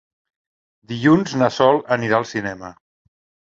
Dilluns na Sol anirà al cinema.